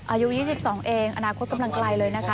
อายุ๒๒เองอนาคตกำลังไกลเลยนะคะ